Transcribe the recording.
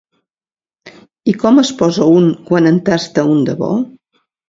I com es posa un quan en tasta un de bo?